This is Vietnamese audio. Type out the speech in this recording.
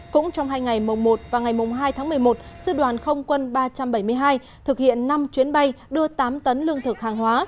cũng trong hai ngày mùng một và ngày mùng hai tháng một mươi một sư đoàn không quân ba trăm bảy mươi hai thực hiện năm chuyến bay đưa tám tấn lương thực hàng hóa